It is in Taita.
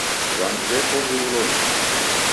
W'and w'eko huru loli?